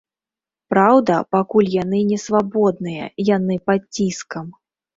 Праўда, пакуль яны несвабодныя, яны пад ціскам.